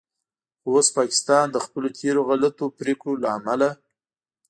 خو اوس پاکستان د خپلو تیرو غلطو پریکړو له امله